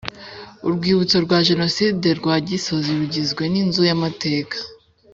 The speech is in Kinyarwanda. Urwibutso rwa Jenoside rwa Gisozi rugizwe n’inzu y’amateka